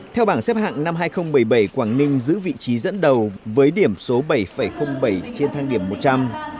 theo bảng xếp hạng năm hai nghìn một mươi bảy quảng ninh giữ vị trí dẫn đầu với điểm số bảy bảy trên thang điểm một trăm linh